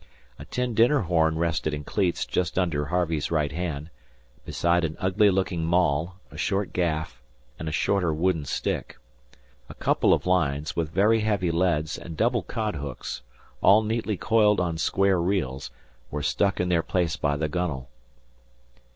A tin dinner horn rested in cleats just under Harvey's right hand, beside an ugly looking maul, a short gaff, and a shorter wooden stick. A couple of lines, with very heavy leads and double cod hooks, all neatly coiled on square reels, were stuck in their place by the gunwale.